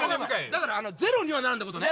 だからゼロにはならんって事ね。